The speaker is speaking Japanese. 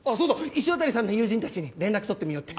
石渡さんの友人たちに連絡取ってみようって。